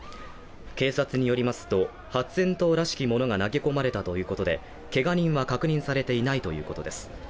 警察によりますと、発煙筒らしきものが投げ込まれたということで、けが人は確認されていないということです。